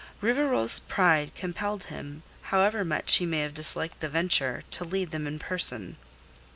Rivarol's pride compelled him, however much he may have disliked the venture, to lead them in person.